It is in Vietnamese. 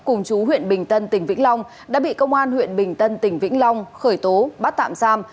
cùng chú huyện bình tân tỉnh vĩnh long đã bị công an huyện bình tân tỉnh vĩnh long khởi tố bắt tạm giam